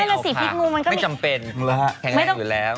ไม่เอาค่ะไม่จำเป็นแข็งแรงอยู่แล้ว